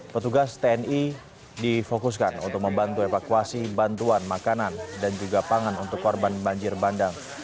petugas tni difokuskan untuk membantu evakuasi bantuan makanan dan juga pangan untuk korban banjir bandang